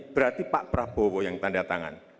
berarti pak prabowo yang tanda tangan